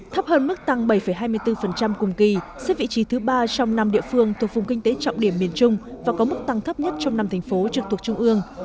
thấp hơn mức tăng bảy hai mươi bốn cùng kỳ xếp vị trí thứ ba trong năm địa phương thuộc vùng kinh tế trọng điểm miền trung và có mức tăng thấp nhất trong năm thành phố trực thuộc trung ương